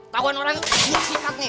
tauan orang ini ini sikat nih